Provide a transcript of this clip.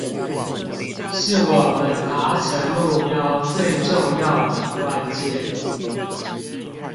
是我們達成目標最重要的關鍵